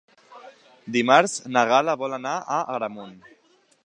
Dimarts na Gal·la vol anar a Agramunt.